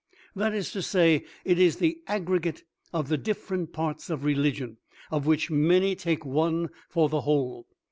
That is to say, it is the aggregate of the different parts of religion, of which many take one for the whole.